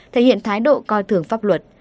thể hiện thái độ coi thường pháp luật